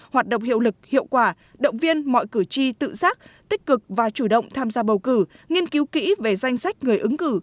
hoạt động hiệu lực hiệu quả động viên mọi cử tri tự giác tích cực và chủ động tham gia bầu cử nghiên cứu kỹ về danh sách người ứng cử